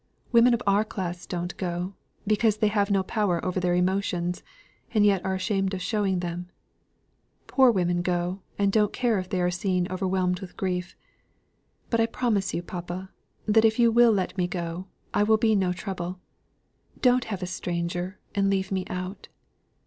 Women of our class don't go, because they have no power over their emotions, and yet are ashamed of showing them. Poor women go, and don't care if they are seen overwhelmed with grief. But I promise you, papa, that if you will let me go, I will be no trouble. Don't have a stranger, and leave me out.